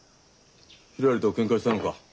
ひらりとけんかしたのか？